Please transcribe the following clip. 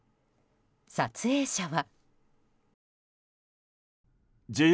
撮影者は。